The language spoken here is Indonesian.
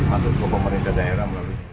masuk ke pemerintah daerah melalui